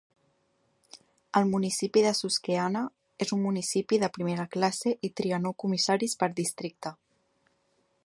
El municipi de Susquehanna és un municipi de primera classe i tria nou comissaris per districte.